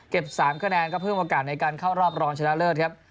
๓คะแนนก็เพิ่มโอกาสในการเข้ารอบรองชนะเลิศครับ